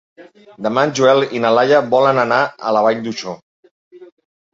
Demà en Joel i na Laia volen anar a la Vall d'Uixó.